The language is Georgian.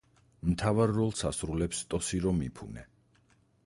მთავარ როლს ასრულებს ტოსირო მიფუნე.